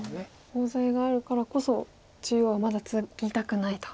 コウ材があるからこそ中央はまだツギたくないと。